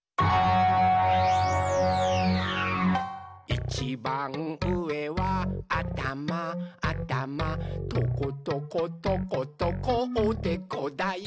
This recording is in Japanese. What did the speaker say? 「いちばんうえはあたまあたまトコトコトコトコおでこだよ！」